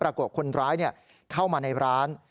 ปรากฏคนร้ายเข้ามาในร้าน